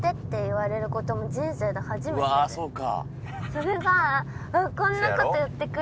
それが。